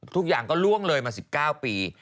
ทุกอย่างก็ล่วงเลยมา๑๙ปี